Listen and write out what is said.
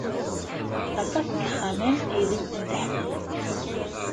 Aṭas n yexxamen aydeg tendeḥ tmes.